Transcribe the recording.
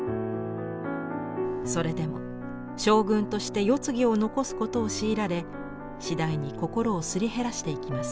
それでも将軍として世継ぎを残すことを強いられ次第に心をすり減らしていきます。